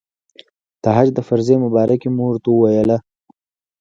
د حج د فرضې مبارکي مو ورته وویله.